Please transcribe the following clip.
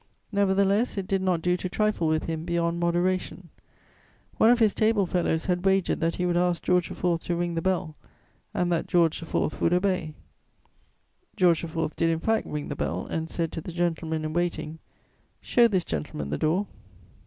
Nevertheless it did not do to trifle with him beyond moderation. One of his table fellows had wagered that he would ask George IV. to ring the bell, and that George IV. would obey. George IV. did in fact ring the bell and said to the gentleman in waiting: "Show this gentleman the door."